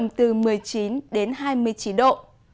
nhiệt độ từ một mươi chín đến hai mươi chín độ